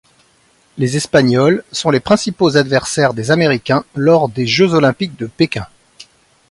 Les Espagnols sont les principaux adversaires des Américains lors des Jeux olympiques de Pékin.